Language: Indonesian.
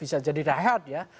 bisa jadi dahiat ya